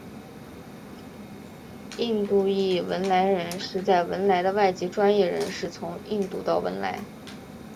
印度裔汶莱人是在文莱的外籍专业人士从印度到文莱。